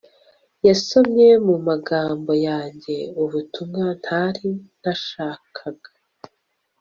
Yasomye mumagambo yanjye ubutumwa ntari nashakaga